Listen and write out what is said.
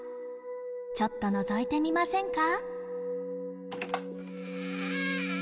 ちょっとのぞいてみませんか。